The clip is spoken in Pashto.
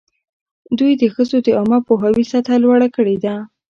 دوی د ښځو د عامه پوهاوي سطحه لوړه کړې ده.